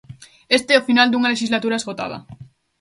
Este é o final dunha lexislatura esgotada.